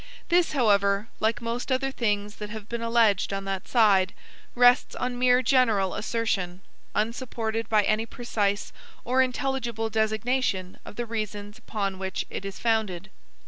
This, however, like most other things that have been alleged on that side, rests on mere general assertion, unsupported by any precise or intelligible designation of the reasons upon which it is founded.